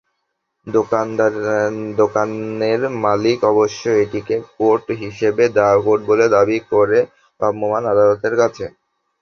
দোকানের মালিক অবশ্য এটিকে কোড বলে দাবি করেন ভ্রাম্যমাণ আদালতের কাছে।